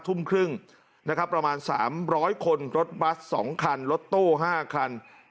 ทุ่มครึ่งนะครับประมาณ๓๐๐คนรถบัส๒คันรถตู้๕คัน